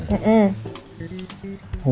sama apa ketan